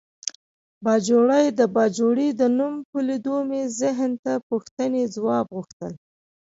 باجوړی د باجوړي د نوم په لیدو مې ذهن ته پوښتنې ځواب غوښتل.